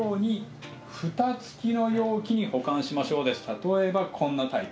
例えばこんなタイプ。